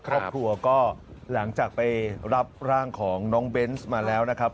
ครอบครัวก็หลังจากไปรับร่างของน้องเบนส์มาแล้วนะครับ